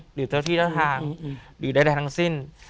หรือเจ้าที่เจ้าทางหรือใดทั้งสิ้น